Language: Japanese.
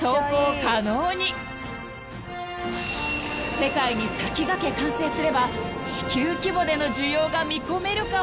［世界に先駆け完成すれば地球規模での需要が見込めるかも］